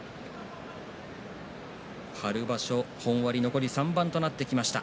春場所、残り３番となってきました。